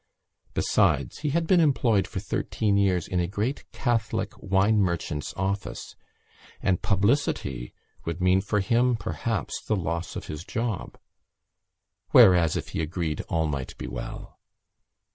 Besides, he had been employed for thirteen years in a great Catholic wine merchant's office and publicity would mean for him, perhaps, the loss of his job. Whereas if he agreed all might be well.